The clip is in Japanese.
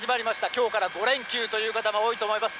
きょうから５連休という方も多いと思います。